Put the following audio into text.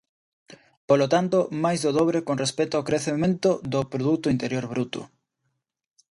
Polo tanto, máis do dobre con respecto ao crecemento do produto interior bruto.